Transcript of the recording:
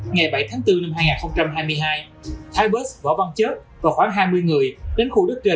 ngày bảy tháng bốn năm hai nghìn hai mươi hai thái bớt võ văn chớp và khoảng hai mươi người đến khu đất trên